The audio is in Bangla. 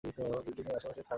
বিল্ডিং এর আশেপাশে থাকো।